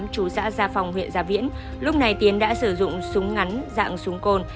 chú xã gia phòng huyện gia viễn lúc này tiến đã sử dụng súng ngắn dạng súng côn